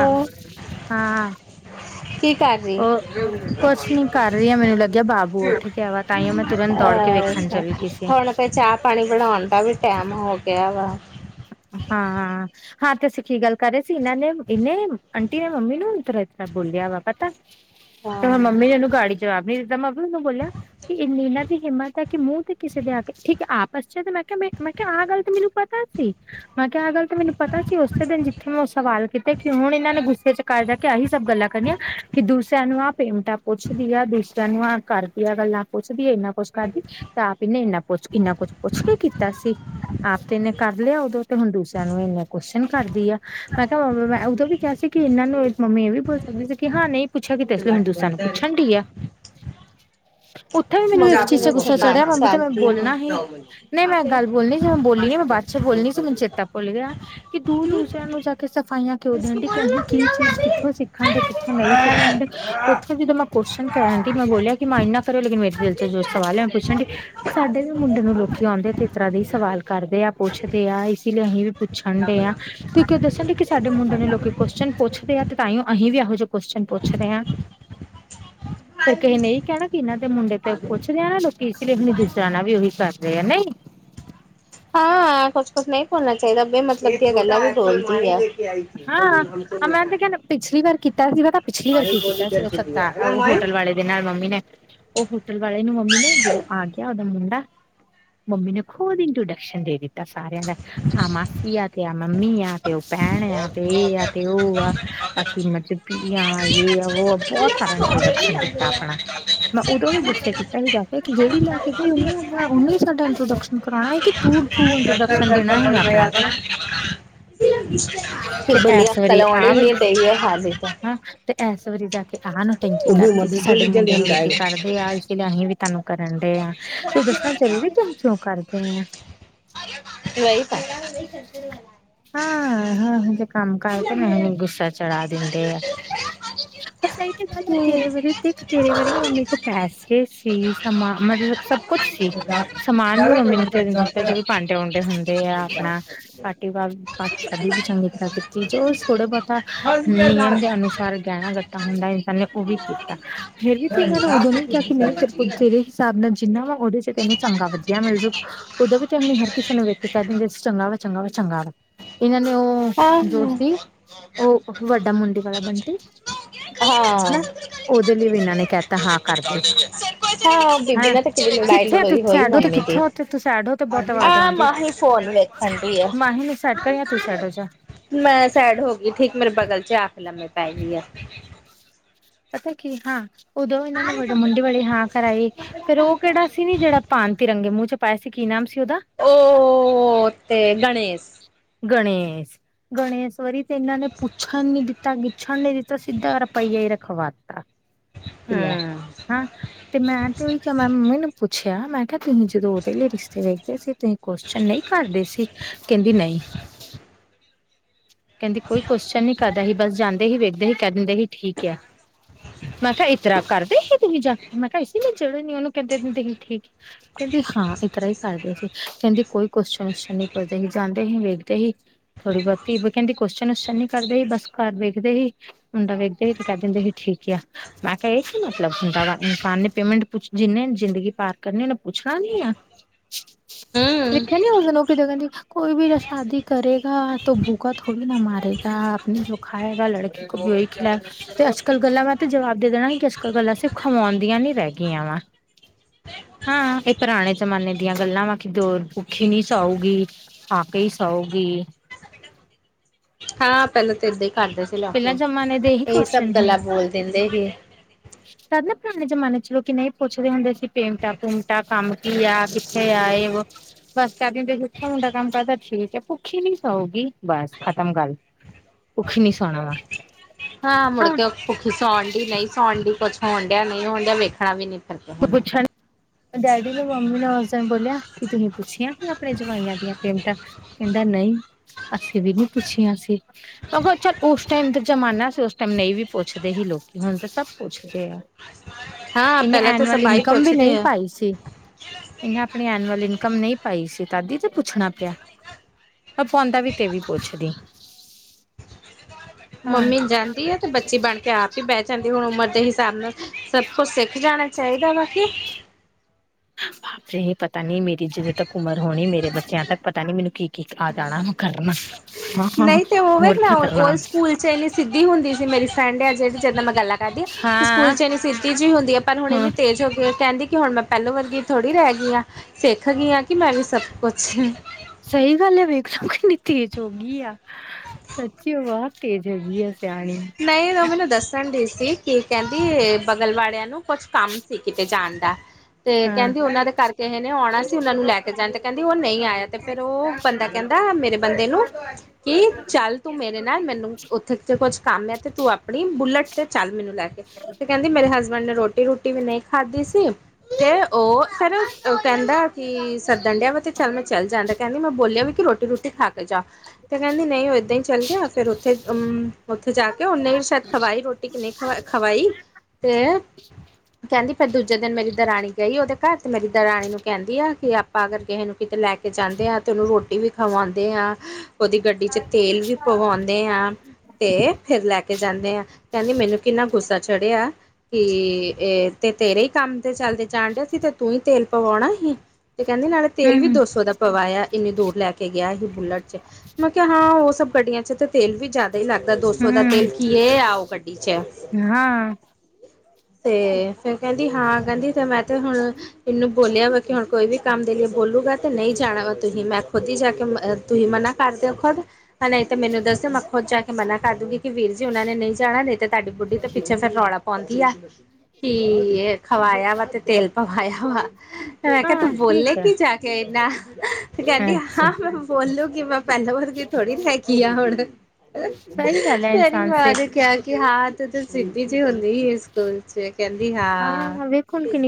ਹਾਂ ਉਹ ਹਾਂ। ਕੀ ਕਰ ਰਹੀ? ਓ ਕੁਛ ਨੀ ਕਰ ਰੀਆਂ। ਮੈਨੂੰ ਲੱਗੇਆ ਬਾਬੂ ਉੱਠ ਗੇਆ ਵਾ। ਤਾਂਈਓਂ ਮੈਂ ਤੁਰੰਤ ਦੌੜ ਕੇ ਵੇਖਣ ਚੱਲੀ ਗਈ ਅੱਛਾ ਸੀ। ਹੁਣ ਤੇ ਚਾਹ ਪਾਣੀ ਬੜੋਨ ਦਾ ਵੀ ਟੈਮ ਹੋ ਗੇਆ ਵਾ। ਹਾਂ। ਹਾਂ ਤੇ ਅਸੀ ਕੀ ਗੱਲ ਕਰ ਰੇ ਸੀ। ਏਨਾਂ ਨੇ ਏਨੇ ਆਂਟੀ ਨੇ ਮੰਮੀ ਨੂੰ ਤਰੇਤਾ ਬੋਲੇਆ ਵਾ ਪਤਾ। ਤੇ ਫੇਰ ਮੰਮੀ ਨੇ ਓਨੂੰ ਗਾੜੀ ਜਵਾਬ ਨੀ ਦਿੱਤਾ। ਮੈ ਵੀ ਓਨੂੰ ਬੋਲੇਆ ਕਿ ਇੰਨੀ ਏਨਾਂ ਦੀ ਹਿੰਮਤ ਐ ਕਿ ਮੂੰ ਤੇ ਕਿਸੇ ਦੇ ਆ ਕੇ ਠੀਕ ਆਪਸ ਚ ਤੇ ਮੈਂ ਕੈ ਮੈਂ ਮੈਂ ਕੇਆ ਆ ਗੱਲ ਤੇ ਮੈਨੂੰ ਪਤਾ ਸੀ। ਮੈਂ ਕੈਆ ਆ ਗੱਲ ਤੇ ਮੈਨੂੰ ਪਤਾ ਸੀ। ਓਸੇ ਦਿਨ ਜਿੱਥੇ ਮੈਂ ਓ ਸਵਾਲ ਕੀਤੇ ਕਿ ਹੁਣ ਏਨਾਂ ਨੇ ਗੁੱਸੇ ਚ ਕਢ ਕੇ ਆਹੀ ਸਭ ਗੱਲਾਂ ਕਰਨੀਆਂ ਕਿ ਦੂਸਰੇਆਂ ਨੂੰ ਆ ਪੇਮਟਾ ਪੁੱਛਦੀ ਆ। ਦੂਸਰੇਆਂ ਨੂੰ ਆ ਕਰਦੀ ਆ ਗੱਲਾਂ। ਪੁੱਛਦੀ ਏ ਏਨਾ ਕੁਛ ਕਰਦੀ ਤਾ ਆਪ ਏਨੇ ਏਨਾ ਪੁੱਛ ਇੰਨਾ ਕੁੱਛ ਪੁੱਛ ਕੇ ਕੀਤਾ ਸੀ। ਆਪਤੇ ਏਨੇ ਕਰ ਲੇਆ ਓ ਤੇ ਹੁਣ ਦੂਸਰੇਆਂ ਨੂੰ ਏਨੇ ਕੁਸ਼ਚਨ ਕਰਦੀ ਆ। ਮੈਂ ਕੇਆ ਮੈਂ ਉਦੋਂ ਵੀ ਕੇਆ ਸੀ ਕਿ ਏਨਾਂ ਨੂੰ ਮੰਮੀ ਏ ਵੀ ਪੋਛ ਕੇਹਾ ਨਈ ਪੁੱਛੇਗੀ ਤੇ ਏਸ ਲਈ ਹੁਨ ਦੂਸਰੇਆ ਨੂੰ ਦੀ ਪੁੱਛਨ ਡਈਆ। ਓਥੇ ਵੀ ਮੈਨੂੰ ਏਕ ਚੀਜ਼ ਚ ਤਾਂ ਗੁੱਸਾ ਜ਼ੁਬਾਨ ਚੜਿਆ ਮਮੀ ਤੇ ਮੈਂ ਚਲਤੀ ਨਹੀਂ। ਬੋਲਣਾ ਹੀ ਨਈ ਮੈਂ ਗੱਲ ਬੋਲਣੀ ਸੀ ਮੈਂ ਬੋਲੀ ਨੀ ਮੈਂ ਬਾ ਚ ਬੋਲਣੀ ਮੇਨੂੰ ਚੇਤਾ ਭੁੱਲ ਗੇਆ ਕਿ ਤੂ ਦੂਸਰੇਆਂ ਨੂੰ ਜਾ ਕੇ ਸਫਾਈਆਂ ਕੇਓ ਦੇਣਡੀ ਕਿ ਅਹੀ ਕੀ ਚੀਜ਼ ਕਿੱਥੋਂ ਸਿੱਖ ਸਿੱਖਣ ਡੇ ਕਿਥੋਂ ਨਈ ਸਿੱਖਣ ਡੇ। ਓਥੋਂ ਵੀ ਮੈਂ ਤੇ ਕੋਸ਼ਚਨ ਕਰਾਂ ਦੀ ਮੈਂ ਬੋਲੇਆ ਕਿ ਮਾਇੰਡ ਨਾ ਕਰਯੋ ਲੇਕਿਨ ਮੇਰੇ ਦਿਲ ਜੋ ਸਵਾਲ ਹ। ਮੈਂ ਪੁੱਛਾਂ ਗੀ। ਸਾਡੇ ਵੀ ਮੁੰਡੇ ਨੂੰ ਲੋਕੀ ਆਉਂਦੇ ਆ, ਤੇ ਇਸ ਤਰ੍ਹਾਂ ਦੇ ਸਵਾਲ ਕਰਦੇ ਆ ਪੁੱਛਦੇ ਤੇ ਆ ਇਸੀ ਲਿਯੇ ਅਸੀਂ ਵੀ ਪੁੱਛਣ ਡੇਆ ਤੇ ਕਿਉਂਕਿ ਦੱਸਣ ਡੀ ਕਿ ਸਾਡੇ ਮੁੰਡੇ ਨੂੰ ਲੋਕੀ ਕੁਸ਼ਚਨ ਪੁੱਛਦੇ ਆ ਤੇ ਤਾਂਈਓ ਅਹੀ ਵੀ ਇਹੋ ਜਿਹੇ ਕੁਸ਼ਚਨ ਪੁੱਛ ਦੇ ਹਾ। ਫੇਰ ਕਹੇ ਨੇ ਏਹੀਂ ਕਹਿਨਾ ਕਿ ਇਨਾਂ ਦੇ ਮੁੰਡੇ ਤੇ ਪੁੱਛਦੇਆ ਨਾ ਲੋਕੀ ਇਸਲਿਏ ਹੁਨ ਦੂਸਰਯਾ ਨਾਲ ਵੀ ਓਹੀ ਕਰ ਰਹੇ ਆ ਨਈ। ਹਾਂ, ਕੁੱਛ- ਕੁੱਛ ਨਹੀਂ ਬੋਲਣਾ ਚਾਹੀਦਾ ਬੇ ਮਤਲਬ ਦਿਆ ਗੱਲਾਂ ਵੀ ਬੋਲਦੀ ਅ। ਹਾਂ, ਮੈਂ ਤੇ ਕਹ ਪਿਛਲੀ ਵਾਰ ਕੀਤਾ ਸੀਗਾ ਤਾਂ ਪਿਛਲੀ ਵਾਰ ਕੀ ਕੀਤਾ ਸੀਗਾ ਸੱਤਾ ਓ ਹੋਟਲ ਵਾਲੇ। ਨਾਲ ਮੰਮੀ ਨੇ ਓਹ ਹੋਟਲ ਵਾਲੇ ਨੂੰ ਮੰਮੀ ਨੇ ਜਦੋਂ ਆ ਗਿਆ ਓਦਾ ਮੁੰਡਾ ਮੰਮੀ ਨੇ ਖੋਦ ਇੰਟੋਡਕਸ਼ਨ ਦੇ ਦਿਤੀ। ਸਾਰਿਆਂ ਦਾ ਆਹ ਮਾਸੀ ਆ, ਤੇ ਆਹ ਮੰਮੀ ਆ, ਤੇ ਓਹ ਭੈਣ ਆ ਤੇ ਏ ਆ। ਤੇ ਓਹ ਆ ਅਸੀ ਮਬ ਜਾ ਏਆ ਓਹ ਆ ਬਹੁਤ ਤਰਾਂ ਇੰਟਰੋਡਕਸ਼ਨ ਦਿੱਤਾ ਆਪਨਾ। ਮੈਂ ਓਦੋਂ ਵੀ ਗੁੱਸੇ ਕੀਤਾ ਸਿਗਾ ਮੈ ਕਯਾ ਕੇੜੀ ਲੈ ਕੇ ਗਈ ਉਹਨੂੰ, ਉਹਨੂੰ ਹੀ ਸਾਡਾ ਇੰਟਰੋਡਕਸ਼ਨ ਕਰਾਨਾ ਸੀ ਕਿ ਤੂੰ, ਤੂੰ ਇੰਟਰੋਡਕਸ਼ਨ ਦੇਣਾ ਸੀ ਆਪਨਾ। ਕਿ ਤੇ ਬਨੀਆ ਇਸ ਵਾਰੀ ਕਲੋੜੇ ਆਹ ਲਈ ਵਾਲਾ ਗਈ ਆ ਹਾਲੇ ਤਾ ਹਾਂ ਤੇ ਏਸ ਵਾਰੀ ਜਾ ਕੇ ਆਹ ਨਟੈਂਕੀ ਕਰਤੀ ਕਿ ਸਾਡੇ ਮੁੰਡੇ ਨੂੰ ਲੋਕੀ ਕਰਦੇ ਆ ਇਸ ਲਈ ਅਸੀਂ ਵੀ ਤਾਂਨੂੰ ਕਰਨ ਡੇਆ ਫਿਰ ਦੱਸਣਾ ਜ਼ਰੂਰੀ ਕੇ ਕਿਉਂ ਕਰਦੇਆ ਨਈ ਤਾ। ਹਾਂ ਹ ਹੁਨ ਤੇ ਕੰਮ ਕਰਕੇ ਮੈਨੂੰ ਗੁੱਸਾ ਚੜਾ ਦਿੰਦੇ ਆ। ਪਰ ਸਹੀ ਤੇ ਗੱਲ ਹੈ ਤੇਰੇ ਵਾਰੀ ਤੇਰੀ ਵਾਰੀ ਨਾ ਮੰਮੀ ਕੋਲ ਪੈਸੇ ਸੀ ਸਮਾਂ ਮਤਲਬ ਸਭ ਕੁਛ ਸੀ। ਸਮਾਨ ਵੀ ਮੰਮੀ ਨੇ ਤੇਨੂ ਦਿੱਤਾ ਜੋ ਵੀ ਭਾਂਡੇ- ਵਾਂਡੇ ਹੁੰਦੇ ਆ ਆਪਨਾ ਪਾਟੀ ਵਾ ਪਾਟੀ ਸ਼ਾਦੀ ਵੀ ਚੰਗੀ ਤਰ੍ਹਾਂ ਕੀਤੀ ਜੋ ਥੋੜਾ ਬੋਤਾ ਨਿਯਮ ਦੇ ਅਨੁਸਾਰ ਗਹਿਨਾ ਗੱਟਾ ਹੁੰਦਾ ਏ। ਏਨੇ ਉਹ ਵੀ ਕੀਤਾ ਫੇਰ ਵੀ ਤੇ ਇਹਨਾਂ ਨੇ ਉਦੋਂ ਨੀ ਕਿਹਾ ਕਿ ਨਹੀਂ ਤੇਰੇ ਕੋਲ ਤੇਰੇ ਹਿਸਾਬ ਨਾਲ ਜਿੰਨਾ ਵਾ ਉਹਦੇ ਚ ਤੈਨੂੰ ਚੰਗਾ ਵਧੀਆ ਮਿਲਜੂ ਓਦਾ ਵੀ ਤੇ ਹਾਂਣੀ ਹਰ ਕਿਸੇ ਨੂੰ ਵੇਖ ਕੇ ਕਹਿ ਦਿੰਦੇ ਚੰਗਾ ਵਾ, ਚੰਗਾ ਵਾ, ਚੰਗਾ ਵਾ ਇਹਨਾਂ ਨੇ ਓਹ ਦੋਸਤ ਸੀ, ਓਹ ਵੱਡਾ ਮੁੰਡੀ ਵਾਲਾ ਬੰਟੀ। ਨਾ ਓਦੇ ਲਈ ਵੀ ਇਨਾਂ ਨੇ ਕਹਤਾ ਹਾਂ ਕਰਦੇ। ਹਾਂ ਬੀਬੀ ਹੈਂ। ਨੇ ਤਾਂ ਕਿਵੇਂ ਲੜਾਈ ਕਿੱਥੇ ਹੋ ਤੁਸੀਂ, ਲੜੋਈ ਹੋਈ ਸੈਡ ਹੋ ਤੇ ਮੰਮੀ ਦੀ ਕਿੱਥੇ ਹੋ ਉੱਥੇ ਤੂੰ ਸੈਡ ਹੋ ਤੇ ਬੋਤ ਆਵਾਜ਼ ਆ ਆਉਣ ਡੀ। ਮਾਹੀ ਫੋਨ ਵੇਖਣ ਦੀ ਮਨ ਨਈ ਸਾਡਾ ਕਰਿਆ ਤੂੰ ਸੈਡ ਹੋ ਜਾ। ਲੈ ਸੈਡ ਹੋ ਗਈ ਠੀਕ ਮੇਰੇ ਬਗਲ ਚ ਆਕੇ ਲੰਮੇ ਪੈਗੀ ਆ। ਪਤਾ ਕੀ ਹਾਂ, ਓਦੋਂ ਇਨਾਂ ਨੇ ਵਡੇ ਮੁੰਡੇ ਵਾਲੀ ਹ ਕਰਾਏ ਫੇਰ ਉਹ ਕਿਹੜਾ ਸੀ ਨੀ ਜੇੜਾ ਪਾਨ ਤਿਰੰਗੇ ਮੂੰਹ ਚ ਪਾਏ ਸੀ ਕੀ ਨਾਮ ਸੀ ਓ? ਓ ਤੇ ਗਣੇਸ। ਗਣੇਸ, ਗਣੇਸ ਵਾਰੀ ਤੇ ਇਨਾਂ ਨੇ ਪੁੱਛਣ ਨੀ ਦਿੱਤਾ, ਗਿੱਛਣ ਨੀ ਦਿੱਤਾ। ਤਾਂ ਸਿੱਧਾ ਰਪਈਆ ਈ ਰਖਵਾ ਤਾ। ਕਿ ਲੈ ਹਾਂ ਤੇ ਮੈਂ ਤੇ ਮੈਂ ਮੰਮੀ ਨੂੰ ਪੁੱਛਿਆ ਮੈਂ ਤੁਸੀਂ ਜਦੋਂ ਓਦੇ ਲਈ ਰਿਸ਼ਤੇ ਦੇਖਦੇ ਸੀ ਤੁਸੀਂ ਕੋਸ਼ਚਨ ਨਹੀਂ ਕਰਦੇ ਸੀ? ਕਹਿੰਦੀ ਨਈ। ਕਹਿੰਦੀ ਕੋਈ ਕੋਸ਼ਚਨ ਨੀ ਕਰਦਾ ਹੀ ਬਸ ਜਾਂਦੇ ਹੀ ਵੇਖਦੇ ਹੀ ਕਹ ਦਿੰਦੇ ਸੀ। ਠੀਕ ਆ। ਮੈਂ ਕਿਹਾ ਇਤਰਾ ਕਰਦੇ ਹੀ। ਤੁਸੀਂ ਜਾ ਕੇ ਮੈਂ ਕਿਹਾ ਇਸਲਿਏ ਜਿਹੜੇ ਨਯੋਂ ਨੂੰ ਕਹਿੰਦੇ ਹੁੰਦੇ ਸੀ ਠੀਕ ਏ, ਕਹਿੰਦੀ ਹਾਂ ਇਸ ਤਰ੍ਹਾਂ ਹੀ ਕਰਦੇ ਸੀ। ਕਹਿੰਦੀ ਕੋਈ ਕੇਸ਼ਚਨ ਕੁਸ਼ਚਨ ਨਈ ਪੁੱਜਦੇ ਸੀ। ਜਾਂਦੇ ਸੀ। ਵੇਖਦੇ ਹੀ। ਥੋੜ੍ਹੀ ਬੋਹਤ- ਤੀਬ ਕਹਿੰਦੀ ਕੁਸ਼ਚਨ ਵਿਸ਼ਚਨ ਨੀ ਕਰਦੇ ਸੀ। ਬਸ ਘਰ ਵੇਖਦੇ ਹੀ। ਮੁੰਡਾ ਵੇਖਦੇ ਹੀ। ਤੇ ਕਹਿ ਦਿੰਦੇ ਹੀ ਮੁੰਡਾ ਠੀਕ ਯਾ। ਮੈਂ ਕਿਹਾ! ਇਹ ਕੀ ਮਤਲਬ ਹੁੰਦਾ ਵਾ ਇਨਸਾਨ ਨੇ ਪੇਮੈਂਟ ਪੁਛ ਜਿੰਨੇ ਜ਼ਿੰਦਗੀ ਪਾਰ ਕਰਨੀ ਉਹਨੇ ਪੁੱਛਣਾ ਨੀ ਆ। ਦੇਖਿਆ ਨੀ ਉਸਨੂੰ ਉਹ ਕਿਦਾ ਕਹਿੰਦੀ। ਕੋਈ ਵੀਰਾ ਸ਼ਾਦੀ ਕਰੇਗਾ ਤੋ ਭੂਖਾ ਥੋੜੀ ਨਾ ਮਾਰੇਗਾ। ਆਪ ਨੇ ਜੋ ਖਾਏਗਾ ਲੜਕੀ ਕੋ ਬੀ ਖਿਲਾਏ ਗਾ। ਤੇ ਅੱਜ-ਕੱਲ ਗੱਲਾਂ, ਮੈਂ ਤੇ ਜਵਾਬ ਦੇ ਦੇਣਾ ਕਿ ਅੱਜਕਲ ਗੱਲਾਂ ਸਿਰਫ਼ ਖਮਾਉਣਦੀਆਂ ਨੀ ਰੈਹ ਗਈਆਂ ਵਾ। ਹਾਂ। ਇਹ ਪੁਰਾਣੇ ਜਮਾਨੇ ਦੀਆਂ ਗੱਲਾਂ ਵਾ, ਕੀ ਦ ਭੁੱਖੀ ਨਹੀਂ ਸਊਗੀ! ਖਾ ਕੇ ੲ ਸਊਗੀ। ਹਾਂ। ਪਹਿਲਾਂ ਤਾਂ ਏਦਾਂ ਹੀ ਕਰਦੇ ਸੀ ਲੋਕੀ ਪਹਿਲਾਂ ਜਮਾਨੇ ਇਹੀ ਸਭ ਗੱਲਾਂ ਬੋਲ ਦਿੰਦੇ ਸੀ। ਹ।। [inaudible] ਤ ਨਾ ਪੁਰਾਣੇ ਜਮਾਨੇ ਚ ਲੋਕੀ ਨਹੀਂ ਪੁੱਛਦੇ ਹੁੰਦੇ ਸੀ। ਪੇਮਟਾ ਪੂਮਟਾ, ਕੰਮ ਕੀ ਆ, ਕਿੱਥੇ ਆ, ਇਹ ਵ ਬਸ ਚ ਦੇ [unintelligible] ਮੁੰਡਾ ਕੰਮ ਕਰਦਾ ਦਾ? ਠੀਕ ਹੈ। ਭੁੱਖੀ ਨੀ ਸਊਗੀ। ਬਸ ਖਤਮ ਗੱਲ। ਭੂਖੀ ਨੀ ਸੋਵਣਾ ਵਾ। ਹਾਂ। ਮੁੜਕੇ ਭੁੱਖੀ ਸੌਉਣ ਡ, ਨਹੀਂ ਸੌਉਣ ਡ ਕੁਛ ਹੋਣ ਡਿਆ ਨਹੀਂ ਹੋਣ ਡਿਆ। ਵੇਖਣਾ ਵੀ ਨੀ। ਫਿਰ ਕਿਸੇ ਨੇ। ਪੁੱਛਣਾ। ਡੈਡੀ ਮੰਮੀ ਨੇ ਉਸ ਦਿਨ ਬੋਲਿਆ। ਕਿ ਤੁਸੀਂ ਪੁੱਛਿਆ ਹੀ ਆਪਣੇ ਜਵਾਈਆਂ ਦੀਆਂ ਪੇਮਟਾਂ, ਕਹਿੰਦਾ ਨਹੀਂ! ਅਸੀਂ ਵੀ ਨਹੀਂ ਪੁੱਛੀਆਂ ਸੀ। ਮਗ ਚੱਲ ਉਸ ਟਾਈਮ ਦਾ ਜ਼ਮਾਨਾ ਸੀ। ਉਸ ਟਾਈਮ ਨਹੀਂ ਵੀ ਪੁੱਛਦੇ ਹੀ ਲੋਕੀ। ਹੁਣ ਤੇ ਸਭ ਪੁੱਛਦੇ ਆ। ਹਾਂ, ਪਹਿਲਾਂ ਤਾਂ ਨਾਲ ਸਭ ਆਹੀ ਇਨਕਮ ਵੀ ਪੁੱਛਦੇ ਨਹੀਂ ਆ। ਪਾਈ। ਸੀ ਇਹਨੇ ਆਪਣੀ ਐਨੂਅਲ ਇਨਕਮ ਨਹੀਂ ਪਾਈ ਸੀ ਤਦੀ ਤੇ ਪੁੱਛਣਾ ਪਿਆ। ਪਾਉਂਦਾ ਵੀ, ਤੇ ਵੀ ਪੁੱਛਦੀ। ਹਾਂ ਮੰਮੀ ਜਾਂਦੀ ਹੈ ਤੇ ਬੱਚੀ ਬਣ ਕੇ ਆ ਬੈਹ ਜਾਂਦੀ। ਹੁਣ ਉਮਰ ਦੇ ਹਿਸਾਬ ਨਾਲ ਸਭ ਕੁਛ ਸਿੱਖ ਜਾਣਾ ਚਾਹੀਦਾ ਵਾ। ਕਿ ਹ।। [inaudible] ਮੁਜੇ ਏ ਪਤਾ ਨੀ ਮੇਰੀ ਜਦੋਂ ਤੱਕ ਉਮਰ ਹੋਣੀ। ਮੇਰੇ ਬੱਚਿਆਂ ਤੱਕ ਪਤਾ ਨੀ ਮੈਨੂੰ ਕੀ ਕੀ ਆ ਜਾਣਾ ਕਰਨ। ਨਹੀਂ ਤਾਂ ਉਹ ਵੇਖ ਨਾ। ਉਹ ਸਕੂਲ ਚ ਇੰਨੀ ਸਿੱਧੀ ਹੁੰਦੀ ਸੀ ਮੇਰੀ ਫਰੈਂਡ ਆ ਜਿਹੜੀ ਜਿੱਦ ਨਾਲ ਮੈਂ ਗੱਲਾਂ ਕਰਦੀ ਆ। ਸਕੂਲ ਹਾਂ ਚ ਇੰਨੀ ਸਿੱਧੀ ਜਿਹੀ ਹੁੰਦੀ ਹੈ। ਪਰ ਹੁਣ ਇੰਨੀ ਤੇਜ਼ ਹੋ ਗਈ ਆ। ਕਹਿੰਦੀ ਕਿ ਹੁਣ ਮੈਂ ਪਹਿਲੋਂ ਵਰਗੀ ਥੋੜ੍ਹੀ ਰਹਿ ਗਈ ਹਾਂ। ਸਿੱਖ ਗਈ ਹਾਂ ਕਿ ਮੈਂ ਵੀ ਸਭ ਕੁਛ ਸਹੀ ਗੱਲ ਹੈ। ਵੇਖ ਕਿੰਨੀ ਤੇਜ਼ ਹੋ ਗਈ ਆ। ਸੱਚੀ ਵਾ ਤੇਜ਼ ਹੋ ਗਈ ਆ। ਸਿਆਣੀ ਨਹੀਂ ਓ ਮੈਨੂੰ ਦੱਸਣ ਡਈ ਸੀ। ਕੀ ਕਹਿੰਦੀ ਬਗਲ ਵਾਲਿਆਂ ਨੂੰ ਕੁਛ ਕੰਮ ਸੀ ਕਿਤੇ ਜਾਣ ਦਾ। ਤੇ ਹਾਂ ਕਹਿੰਦੀ ਉਹਨਾਂ ਦੇ ਕਰਕੇ ਇਹ ਨੇ ਆਉਣਾ ਸੀ ਉਹਨਾ ਨੂੰ ਲੈ ਕੇ ਜਾਣਾ, ਤੇ ਕਹਿੰਦੀ ਉਹ ਨਹੀਂ ਆਇਆ। ਤੇ ਫੇਰ ਉਹ ਬੰਦਾ ਕਹਿੰਦਾ ਮੇਰੇ ਬੰਦੇ ਨੂੰ। ਕਿ ਚੱਲ ਤੂੰ ਮੇਰੇ ਨਾਲ ਮੈਨੂੰ ਉੱਥੇ ਤੇ ਕੁਝ ਕੰਮ ਆ। ਤੇ ਤੂੰ ਆਪਣੀ ਬੁਲਟ ਤੇ ਚੱਲ ਮੈਨੂੰ ਲੈ ਕੇ। ਤੇ ਕਹਿੰਦੀ, ਮੇਰੇ ਹਸਬੈਂਡ ਨੇ ਰੋਟੀ ਰੂਟੀ ਵੀ ਨਹੀਂ ਖਾਧੀ ਸੀ। ਤੇ ਉਹ ਫੇਰ ਕਹਿੰਦਾ ਕਿ ਸੱਦਣ ਡਿਆ ਵ ਤੇ ਚੱਲ ਮੈਂ ਚੱਲ ਜਾਂਦਾ। ਕਹਿੰਦੀ, ਮੈਂ ਬੋਲਿਆ ਵੀ ਕਿ ਰੋਟੀ ਰੋਟੀ ਖਾ ਕੇ ਜਾ। ਤੇ ਕਹਿੰਦੀ, ਨਹੀਂ ਉਹ ਏਦਾਂ ਹੀ ਚੱਲ ਗਿਆ। ਫੇਰ ਉੱਥੇ ਅਮ ਉੱਥੇ ਜਾ ਕੇ ਉਹਨੇ ਵੀ ਸ਼ਾਇਦ ਖਵਾਈ ਰੋਟੀ ਕਿ ਨਹੀਂ ਖਵਾਈ। ਤੇ ਕਹਿੰਦੀ ਫਿਰ ਦੂਜੇ ਦਿਨ ਮੇਰੀ ਦਰਾਣੀ ਗਈ ਉਹਦੇ ਘਰ। ਤੇ ਮੇਰੀ ਦਰਾਣੀ ਨੂੰ ਕਹਿੰਦੀ ਆ। ਕਿ ਅਪਾ ਅਗਰ ਕਿਹੇ ਨੂੰ ਕਿਤੇ ਲੈ ਕੇ ਜਾਂਦੇ ਆ ਤੇ ਉਹਨੂੰ ਰੋਟੀ ਵੀ ਖਵਾਉਂਦੇ ਆ। ਉਹਦੀ ਗੱਡੀ ਚ ਤੇਲ ਵੀ ਪਵਾਉਂਦੇ ਆ। ਤੇ ਫਿਰ ਲੈ ਕੇ ਜਾਂਦੇ ਆਂ। ਕਹਿੰਦੀ ਮੈਨੂੰ ਕਿੰਨਾ ਗੁੱਸਾ ਚੜਿਆ ਕੀ ਇਹ ਤੇ ਤੇਰੇ ਹੀ ਕੰਮ ਤੇ ਚਲਦੇ ਜਾਣ ਡਿਆ ਸੀ, ਤੇ ਤੂੰ ਹੀ ਤੇਲ ਪਵਾਉਣਾ ਸੀ। ਤੇ ਕਹਿੰਦੇ ਨਾਲੇ ਤੇਲ ਵੀ ਹਮ ਦੋ ਸੌ ਦਾ ਪਵਾਏਆ ਇੰਨੀ ਦੂਰ ਲੈ ਕੇ ਗਿਆ ਹੀ ਬੁਲਟ ਚ। ਮੈ ਕਿਹਾ ਹਾਂ! ਉਹ ਸਭ ਗੱਡੀਆਂ ਚ ਤੇ ਤੇਲ ਵੀ ਜਾਦਾ ਈ ਲੱਗਦਾ, ਦੋ ਸੋ ਦਾ ਹਮ ਤੇਲ ਕੀ ਆ ੳਹ ਗੱਡੀ ਚ। ਹਾਂ। ਤੇ ਫੇਰ ਕਹੰਦੀ ਹਾਂ ਕਹੰਦੀ ਤੇ ਮੈਂ ਤੇ ਹੁਨ ਏਨੂੰ ਬੋਲਿਆ ਵਾ ਕਿ ਹੁਨ ਕੋਈ ਵੀ ਕੰਮ ਦੇ ਲਈ ਬੋਲੂਗਾ ਤੇ ਨਈ ਜਾਨਾ ਵਾ ਤੁਸੀ। ਮੈਂ ਖੁਦ ਹੀ ਜਾ ਕੇ ਤੁਸੀ ਮਨਾ ਘਰ ਦੇ ਖੁਦ ਨਈ ਤੇ ਮੈਨੂੰ ਦੱਸੋ, ਮੈਂ ਖੁਦ ਜਾ ਕੇ ਮਨਾ ਕਰ ਦੂਗੀ ਕਿ ਵੀਰ ਜੀ ੳਨਾਂ ਨੇ ਨਈ ਜਾਨਾ, ਨਈ ਤੇ ਤੁਹਾਡੀ ਬੁੱਢੀ ਤੇ ਪਿੱਛੇ ਫੇਰ ਰੋਲਾ ਪਾਂਦੀ ਐ ਕਿ ਖਵਾਏਆ ਵਾ ਤੇ ਤੇਲ ਪਵਾਏਆ ਵਾ। ਮੈਂ ਕਿਹਾ ਹਾਂ ਤੂੰ ਠੀਕ ਹੈ ਬੋਲੇਂਗੀ ਜਾ ਕੇ ਏਨਾ, ਕੈਂਦੀ ਅੱਛਾ ਹਾਂ ਮੈਂ ਬੋਲੂਗੀ ਮੈਂ ਪੈਲੇ ਵਰਗੀ ਥੋੜੀ ਹੇਗੀ ਆ ਹੁਨ, ਸਹੀ ਗੱਲ ਹੈ ਮੇਰੀ ਇਨਸਾਨ ਮਾਂ ਨੇ ਸਿੱਖ ਕੇਆ ਕਿ ਹਾਂ ਤੂੰ ਤੇ ਸਿੱਧੀ ਜੀ ਹੁੰਦੀ ਏ ਸਕੂਲ ਚ, ਕੈਂਦੀ ਹਾਂ।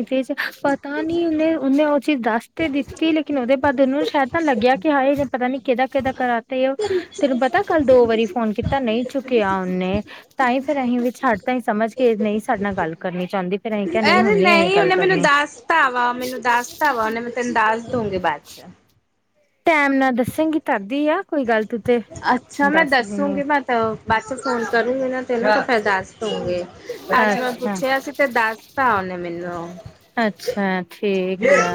ਏ ਚ ਪਰ ਤਾਂ ਨੀ ੳਨੇ, ੳਨੇ ੳਹ ਚੀਜ ਦੱਸ ਤੇ ਦਿੱਤੀ ਲੇਕਿਨ ਉਦੇ ਬਾਦ ੳਨੂੰ ਸ਼ਾਏਦ ਨਾ ਲੱਗਿਆ ਕਿ ਹਾਏ ਇਹ ਪਤਾ ਨੀ ਕਿਦਾ-ਕਿਦਾ ਕਰਾ ਤੇ ੳਹ ਤੈਨੂੰ ਪਤਾ ਕਲ ਦੋ ਵਾਰੀ ਫੋਨ ਕੀਤਾ ਨਈ ਚੁੱਕੇਆ ੳਨੇ। ਤਾਂ ਹੀ ਫੇਰ ਅਹੀ ਵੀ ਛੱਡ ਤਾਂ ਏਹੀ ਸਮਝ ਕੇ ਨਈ ਸਾਡੇ ਨਾਲ ਗੱਲ ਕਰਨੀ ਚਾਉੰਦੀ। ਅਰੇ ਨਈ ੳਨੇ ਮੈਨੂੰ ਦੱਸਤਾ ਵਾ, ਮੈਨੂੰ ਦੱਸਤਾ ਵਾ ੳਨੇ ਮੈਨੂੰ ਤੈਨੂੰ ਦਸ ਦੂੰਗੀ ਬਾਦ ਚ। ਟੈਮ ਨਾਲ ਦੱਸੇਂਗੀ ਤਦ ਈ ਆ। ਕੋਈ ਗੱਲ ਤੂੰ ਤੇ ਅੱਛਾ ਮੈਂ ਦੱਸ ਦੇਣੀ ਦੱਸੂਗੀ, ਮੈਂ ਬਾਦ ਚ ਫੋਨ ਕਰੂੰਗੀ ਨਾ ਤੇਨੂੰ ਤਾਂ ਫੇਰ ਦਸ ਦੂੰਗੀ। ਅੱਜ ਮੈਂ ਅੱਛਾ ਪੁੱਛਿਆ ਸੀ ਤੇ ਦੱਸਤਾ ੳਨੇ ਮੈਨੂੰ। ਅੱਛਾ ਠੀਕ ਆ।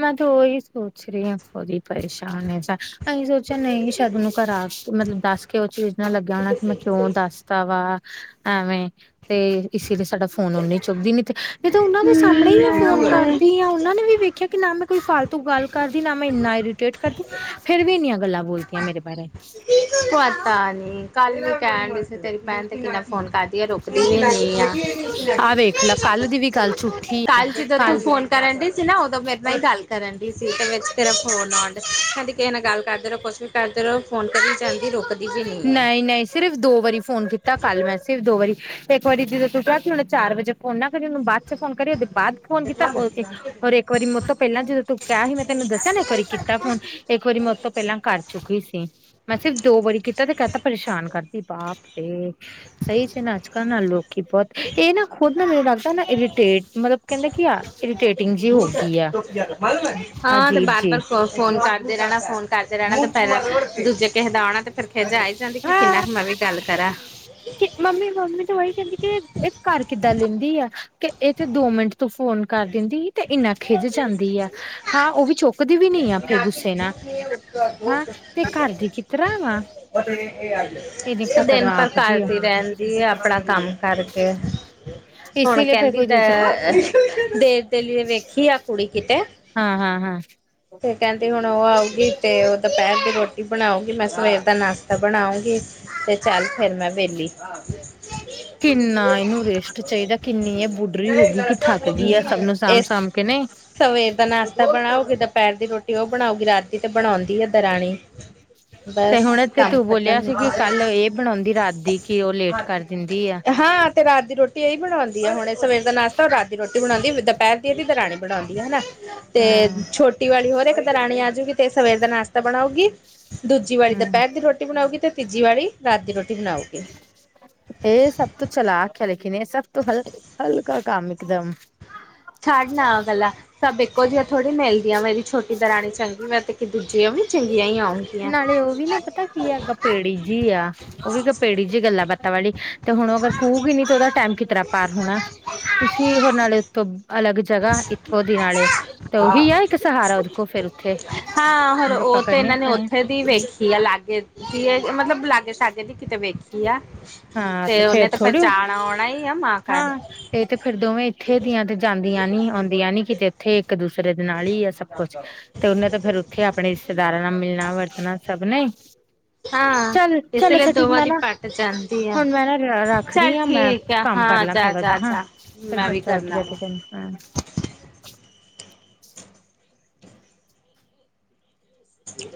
ਮੈਂ ਤੇ ੳਹੀ ਸੋਚ ਰਹੀ ਆਂ ਖੁਦ ਹੀ ਪਰੇਸ਼ਾਨ ਏ ਤਾਂ ਅਹੀ ਸੋਚੇਆ ਨਈ ਸੈ਼ਦ ੳਨੂੰ ਘਰ ਮਤਲਬ ਦੱਸ ਕੇ ੳਹ ਚੀਜ਼ ਨਾਲ ਲੱਗੇਆ ਹੋਨਾ ਕਿ ਮੈਂ ਕੰੳ ਦੱਸ ਤਾ ਵਾ ਐਵੇਂ ਤੇ ਇਸ ਲੀ ਸਾਡਾ ਫੋਨ ਹੁਨ ਨਹੀ ਚੁੱਕਦੀ, ਨੀ ਤੇ ਨਈ ਤਾਂ ੳਨਾਂ ਦੇ ਸਾਹਮਣੇ ਮੈਂ ਫੋਨ ਨਹੀਂ ਕਰਦੀ ਆ, ੳਨਾਂ ਨੇ ਵੀ ਵੇਖਿਆ ਕੀ ਨਾਮ ਕੋਈ ਫਾਲਤੂ ਗੱਲ ਕਰਦੀ, ਨਾ ਮੈਂ ਇੰਨਾ ਇਰੀਟੇਟ ਕਰਦੀ, ਫੇਰ ਵੀ ਇੰਨੀਆਂ ਗੱਲਾਂ ਬੋਲ ਤੀਆਂ ਮੇਰੇ ਬਾਰੇ। ਪਤਾ ਨੀ ਕਲ ਨੂੰ ਕੈਣ ਡੀ ਸੀ, ਤੇਰੀ ਭੈਨ ਤੇ ਕਿਨਾ ਫੋਨ ਕਰਦੀ ਏ ਰੁਕ ਆ ਵੇਖ ਲਾ ਕੱਲ ਦੀ ਵੀ ਗੱਲ ਝੂਠ ਕੱਲ ਜਿਦੋ ਤੂੰ ਫੋਨ ਕਰਨ ਡ ਦੀ ਸੀ ਨਾ ਉਦੋਂ ਮੇਰੇ ਨਾਲ ਹੀ ਗੱਲ ਕਰਨ ਡੀ ਸੀ ੳਧੋ ਮੇਰੇ ਨਾਲ ਹੀ ਗਲ ਕਰਨ ਡੀ ਸੀ ਤੇ ਵਿੱਚ ਤੇਰਾ ਫੋਨ ਆ ਗਿਆ ਕੇਂਦੀ ਕਿਹੇ ਨਾਲ ਗੱਲ ਕਰਦੇ ਰਹੋ ਕੁਛ ਵੀ ਕਰਦੇ ਰਹੋ, ਫੋਨ ਕਰੀ ਜਾਂਦੀ ਰੁਕ ਨਈ-ਨਈ ਸਿਰਫ਼ ਦੋ ਵਾਰੀ ਫੋਨ ਕੀਤਾ ਕੱਲ ਮੈਂ ਸਿਰਫ ਦੋ ਵਾਰੀ ਤੇ ਇੱਕ ਵਾਰੀ ਜਦੋਂ ਤੂ ਕਿਹਾ ਸੀ ੳਨੂੰ ਚਾਰ ਵਜੇ ਫੋਨ ਨਾ ਕਰੀ ੳਨੂੰ ਬਾਦ ਚ ਫੋਨ ਕਰੀ ੳਦੇ ਬਾਦ ਫੋਨ ਕੀਤਾ, ੳ ਈ ਹੋਰ ਇੱਕ ਵਾਰੀ ਮੇਤੋਂ ਪਹਿਲਾਂ ਜਦੋਂ ਤੂੰ ਕਿਹਾ ਸੀ, ਮੈਂ ਤੈਨੂੰ ਦੱਸਿਆ ਨਾ ਇੱਕ ਵਾਰੀ ਕੀਤਾ ਫੋਨ ਇੱਕ ਵਾਰੀ ਮੈਂ ੳਤੋਂ ਪਹਿਲਾਂ ਕਰ ਚੁੱਕੀ ਸੀ, ਮੈਂ ਸਿਰਫ਼ ਦੋ ਵਾਰੀ ਕੀਤਾ ਤੇ ਕੈ ਤਾ ਪਰੇਸ਼ਾਨ ਕਰਦੀ ਬਾਪ ਇਹ ਸਹੀ ਚ ਨਾ ਅੱਜ-ਕਲ ਨਾ ਲੋਕੀ ਬੋਤ, ਇਹ ਨਾ ਖੁਦ ਨਾ ਮੈਨੂੰ ਲੱਗਦਾ ਨਾ ਇਰੀਟੇਟ ਮਤਲਬ ਕੈਂਦੇ ਕੀ ਆ ਇਰੀਟੇਟਿੰਗ ਜੀ ਹੋ ਗਈ ਆ, ਹਾਂ ਤੇ ਅਜੀਬ ਬਾਰ ਜੀ ਬਾਰ ਫੋਨ ਕਰਦੇ ਰਹਣਾ, ਫੋਨ ਕਰਦੇ ਰਹਣਾ ਤੇ ਫੇਰ ਦੂਜੇ ਕਿਹੇ ਦਾ ਆਣਾ ਤੇ ਫੇਰ ਫੇਰ ਜਾਈ ਜਾਂਦੀ ਕਿ ਕਿੰਨਾ ਕੁ ਮੈਂ ਵੀ ਗੱਲ ਕਰਾਂ। ਕਿ ਮੰਮੀ ਮੰਮੀ ਤੇ ਉਹੀ ਕੈੰਦੀ ਕਿ ਏ ਕਰ ਕਿਦਾਂ ਲੈਂਦੀ ਆ ਕੇ ਏਹ ਚ ਦੋ ਮਿੰਟ ਤੂੰ ਫੋਨ ਕਰ ਦੇਂਦੀ ਤੇ ਏਨਾ ਖਿਝ ਜਾਂਦੀ ਆ ਹਾਂ ੳਵੀ ਚੁੱਕਦੀ ਵੀ ਨੀ ਆ ਫਿਰ ਗੁੱਸੇ ਨਾਲ ਹਾਂ ਤੇ ਕਰ ਦੀ ਕਿਤਰਾਂ ਵਾਂ ਤੇ ਦਿਨ ਪਰ ਜੀ ਆ ਕਰਦੀ ਰੇਣ ਇਹ ਅਪਣਾ ਕੰਮ ਕਰਕੇ, ਹੁਣ ਇਸੇ ਲਈ ਫੇਰ ਕੇਹੰਦੀ ਕੋਈ ਦੂਸਰਾ ਤੇਂ ਦੇ ਤੇਰੇ ਲਿਏ ਵੇਖੀ ਆ ਕੁੜੀ ਕਿਤੇ ਹਾਂ-ਹਾਂ-ਹਾਂ। ਤੇ ਕੇਹੰਦੀ ਹੁਣ ਉਹ ਆਊਗੀ ਤੇ ਉਹ ਦੁਪੇਹਰ ਦੀ ਰੋਟੀ ਬਣਾਉਗੀ, ਮੈਂ ਸਵੇਰ ਦਾ ਨਾਸ਼ਤਾ ਬਣਾਉਂਗੀ। ਤੇ ਚੱਲ ਫੇਰ ਮੈਂ ਵੇਹਲੀ। ਕਿੰਨਾ ਏਹਨੂੰ ਰੈਸਟ ਚਾਈਦਾ, ਕਿੰਨੀ ਏਹ ਬੁੱਡਰੀ ਹੋ ਗਈ, ਕਿ ਥੱਕ ਗਈ ਐ ਸਭ ਨੂੰ ਇਸ ਸਾਂਭ-ਸਾਂਭ ਕੇ ਨਈ? ਸਵੇਰ ਦਾ ਨਾਸ਼ਤਾ ਬਣਾਉਗੀ, ਦੋਪੇਹਰ ਦੀ ਰੋਟੀ ਉਹ ਬਣਾਉਗੀ, ਰਾਤ ਦੀ ਤੇ ਬਣਾਉਂਦੀ ਏ ਦਰਾਣੀ। ਤੇ ਬਸ ਹੁਣੇ ਤੇ ਕੰਮ ਤੂੰ ਬੋਲੇਆ ਖਤਮ ਸੀ ਕਿ ਕੱਲ ਏਹ ਬਣਾਉਂਦੀ, ਰਾਤ ਦੀ ਕਿ ਉਹ ਲੇਟ ਕਰ ਦਿੰਦੀ ਆ। ਹਾਂ ਤੇ ਰਾਤ ਦੀ ਰੋਟੀ ਏਈ ਬਣਾਉਂਦੀ ਹੈ ਹੁਣੇ, ਸਵੇਰ ਦਾ ਨਾਸ਼ਤਾ ਹੋਰ ਰਾਤ ਦੀ ਰੋਟੀ ਬਣਾਉਂਦੀ ਵੀ ਦੁਪੈਰ ਟੀ ਐਦੀ ਦਰਾਣੀ ਬਣਾਉਂਦੀ ਹਨਾ, ਤੇ ਹਾਂ ਛੋ ਟੀ ਵਾਲੀ ਹੋਰ ਏਕ ਦਰਾਣੀ ਆਜੂਗੀ ਤੇ ਸਵੇਰ ਦਾ ਨਾਸਤਾ ਬਣਾਉਗੀ, ਦੂਜੀ ਵਾਲੀ ਹਮ ਦੁਪੈਰ ਦੀ ਰੋ ਰੋਟੀ ਬਣਾਊਗੀ, ਤੇ ਤੀਜੀ ਵਾਲੀ ਰਾਤ ਦੀ ਰੋਟੀ ਬਣਾਊਗੀ। ਏਹ ਸਭ ਤੋਂ ਚਲਾਕ ਐ ਲੇਕਿਨ ਏਹ ਸਭ ਤੋਂ ਹਲ ਹਲਕਾ ਕੰਮ ਇਕਦਮ। ਛਾਡਨਾ ਆ ਗਲਾ ਸਭ ਇੱਕੋ ਜਿਹੀਹਾ ਥੋੜ੍ਹੀ ਮਿਲਦੀਆ ਵੇ, ਮੇਰੀ ਛੋਟੀ ਦਰਾਣੀ ਚੰਗੀ, ਮੈਂ ਤੇ ਕਿ ਦੂਜੀਆਂ ਵੀ ਚੰਗੀਆਂ ਈ ਔਨ। ਨਾਲੇ ਉਹ ਵੀ ਨਾ ਪਤਾ ਕੀ ਏ, ਗਪੇਡੀ ਜੀ ਆ। ਉਹ ਵੀ ਗਪੇੜੀ ਜਿ ਹੀ ਗੱਲਾਂ ਬਾਤਾਂ ਵਾਲੀ, ਤੇ ਹੁਣ ਉਹ ਅਗਰ ਖੂਹਗੀਈ ਨੀ ਤੇ ਉਹਦਾ ਟਾਈਮ ਕਿ ਤਰਾ ਪਾਰ ਹੋਣਾ, ਇਸੀ ਹੋ ਨਾਲੇ ਉੱਥੋਂ ਅਲੱਗ ਜਗ੍ਹਾ ਇੱਥੋਂ ਦੀ ਹਾਲੇ, ਤੇ ਉਹੀ ਏ ਇੱਕ ਸਹਾਰਾ ਉਹਦੇ ਕੋ ਫਿਰ ਉੱਥੇ। ਹਾਂ ਹਰ ਗੱਪਾਂ ਉਹ ਤੇ ਏਹਨਾਂ ਕਰਨੀਆਂ ਨੇ ਖਾਣੀਆਂ ਫਿਰਦੀ ਵੇਖੀ ਆ ਲਾਗੇ ਦੀਏ, ਮਤਲਬ ਲਾਗੇ ਸ਼ਾਗੇ ਦੀ ਕਿਤੇ ਵੇਖੀ ਆ। ਤੇ ਉਹਨੇ ਤੇ ਫੇਰ ਜਾਣਾ ਆਉਣਾ ਹੀ ਆ ਮਾਂ ਕਾਰ। ਏਹ ਤੇ ਫੇਰ ਦੋਵੇਂ ਇੱਥੇ ਦੀਆਂ ਤੇ ਜਾਂਦੀਆਂ ਨੀ ਆਉਂਦੀਆਂ ਨੀ ਕਿਤੇ ਏਥੇ ਇੱਕ ਦੂ ਫੇਰ ਏਹਦੇ ਨਾਲ ਈ ਐ ਸਭ ਕੁੱਛ। ਤੇ ਉਹਨੇ ਤੇ ਫੇਰ ਉੱਥੇ ਆਪਣੇ ਰਿਸ਼ਤੇਦਾਰਾਂ ਨਾਲ ਮਿਲਣਾ ਵਰਤਣਾ ਸਭ ਨੇ। ਹਾਂ ਚੱਲ ਇਸੇ ਚਲੋ ਲਈ ਅੱਛਾ ਠੀਕ ਦੋਵਾ ਮੈਂ ਦੀ ਨਾ ਪਾਕ ਜਾਣ। ਹੁਣ ਮੈਂ ਨਾ ਰ ਅ ਰੱਖ ਰਈ ਆ ਮੈਂ ਆ ਕੰਮ ਕਰ ਹਾਂ ਲਾ ਥੋੜਾ ਜਾ ਹਾਂ, ਫੇਰ ਮੈਂ ਵੀ ਬੱਚਾ ਉੱਠ ਗੇਆ ਕਰਨਾ ਤੇ ਵਾ ਫਿ ਹਾਂ। [inaudible]